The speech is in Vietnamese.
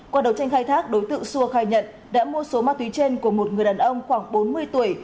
qua đầu tranh khai thác đối tượng xua khai nhận đã mua số ma túy trên của một người đàn ông khoảng bốn mươi tuổi